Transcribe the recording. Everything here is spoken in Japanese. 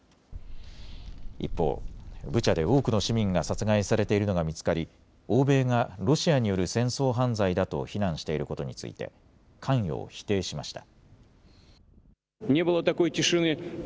一方、ブチャで多くの市民が殺害されているのが見つかり欧米がロシアによる戦争犯罪だと非難していることについて関与を否定しました。